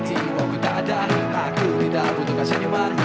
tidak ada waktu untuk senyuman